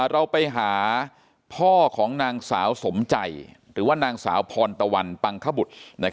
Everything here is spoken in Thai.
เราไปหาพ่อของนางสาวสมใจหรือว่านางสาวพรตะวันปังขบุตร